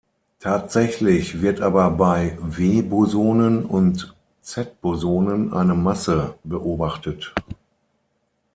Tatsächlich wird aber bei W-Bosonen und Z-Bosonen eine Masse beobachtet.